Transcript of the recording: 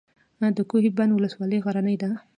د کوه بند ولسوالۍ غرنۍ ده